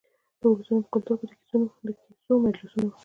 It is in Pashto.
د ولسونو په کلتور کې د کیسو مجلسونه وو.